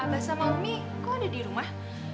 abah sama umi kok ada di rumah